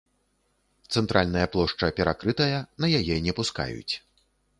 Цэнтральная плошча перакрытая, на яе не пускаюць.